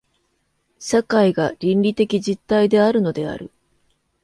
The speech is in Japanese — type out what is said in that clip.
社会が倫理的実体であるのである。